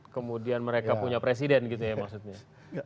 kemudian mereka punya presiden gitu ya maksudnya